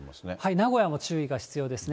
名古屋も注意が必要ですね。